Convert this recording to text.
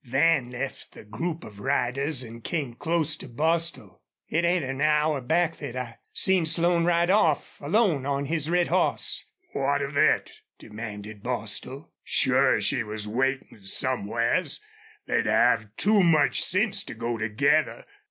Van left the group of riders and came close to Bostil. "It ain't an hour back thet I seen Slone ride off alone on his red hoss." "What of thet?" demanded Bostil. "Sure she was waitin' somewheres. They'd have too much sense to go together....